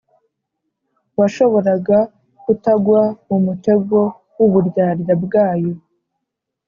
washoboraga kutagwa mu mutego w'uburyarya bwayo,